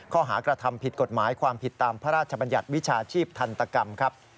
ข้อหากระทำผิดกฎหมายความผิดตามพระราชบัญญัติวิชาชีพทันตกรรมครับ